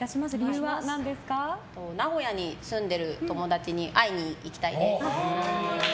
名古屋に住んでいる友達に会いに行きたいです。